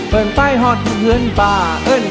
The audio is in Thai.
เพื่อนไปหอดเผือนป่า